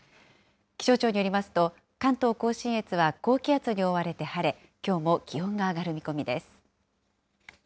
気象庁によりますと、関東甲信越は高気圧に覆われて晴れ、きょうも気温が上がる見込みです。